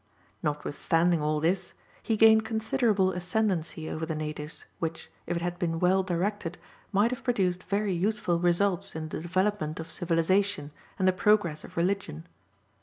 Notwithstanding all this, he gained considerable ascendancy over the natives, which, if it had been well directed, might have produced very useful results in the development of civilization and the progress of religion.